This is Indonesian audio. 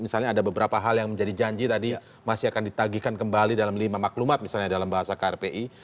misalnya ada beberapa hal yang menjadi janji tadi masih akan ditagihkan kembali dalam lima maklumat misalnya dalam bahasa krpi